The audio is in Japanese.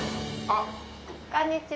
・こんにちは。